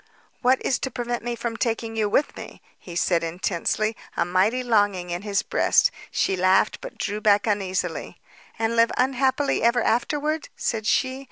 "What is to prevent me from taking you with me?" he said intensely, a mighty longing in his breast. She laughed but drew back uneasily. "And live unhappily ever afterward?" said she.